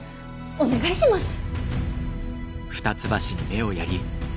お願いします。